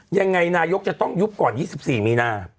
ยังไงนายกจะต้องยุบก่อน๒๔มีนา